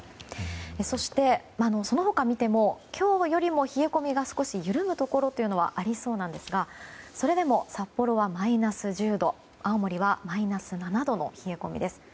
そして、その他を見ても今日よりも冷え込みが少し緩むところというのはありそうなんですがそれでも札幌はマイナス１０度青森はマイナス７度の冷え込みです。